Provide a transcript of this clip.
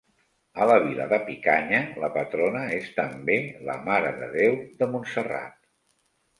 A la vila de Picanya, la patrona és també la Mare de Déu de Montserrat.